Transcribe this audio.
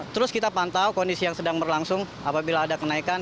terus kita pantau kondisi yang sedang berlangsung apabila ada kenaikan